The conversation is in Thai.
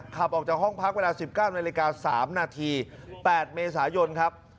ขับออกจากห้องพักเวลา๑๙นาฬิกา๓นาที๘เมษายนครับ